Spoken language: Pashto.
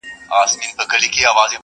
نور به بیا په ګران افغانستان کي سره ګورو.